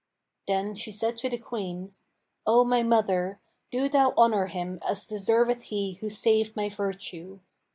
Then she said to the Queen, 'O my mother, do thou honour him as deserveth he who saved my virtue.'